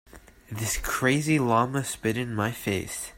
This crazy llama spit in my face.